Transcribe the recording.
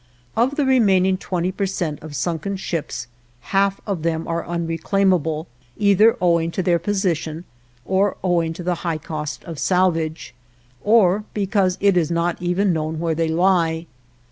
Of the remaining twenty per cent of sunken ships half of them are unreclaimable, either owing to their position, or owing to the high cost of salvage, or because it is not even known where they lie.